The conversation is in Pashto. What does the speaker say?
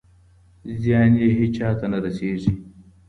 زیان یې هېچا ته نه رسېږي.